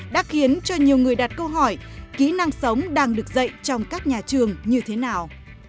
đã khiến cho nhiều người đặt câu hỏi kỹ năng sống đang được dạy trong các nhà trường như thế nào